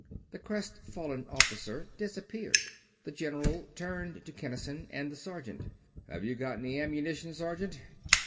The crestfallen officer disappeared; the general turned to Kinnison and the sergeant. "Have you got any ammunition, sergeant?"